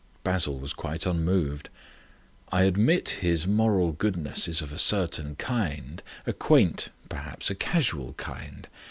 Basil was quite unmoved. "I admit his moral goodness is of a certain kind, a quaint, perhaps a casual kind.